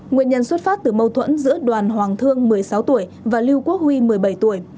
nguyên nhân xuất phát từ mâu thuẫn giữa đoàn hoàng thương một mươi sáu tuổi và lưu quốc huy một mươi bảy tuổi